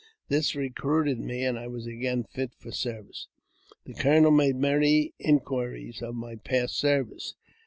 This recruited me, and I was again fit for service. The colonel made many inquiries of my past service.